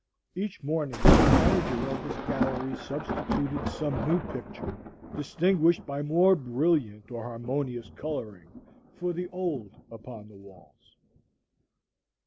Each morning the manager of this gallery substituted some new picture, distinguished by more brilliant or harmonious coloring, for the old upon the walls.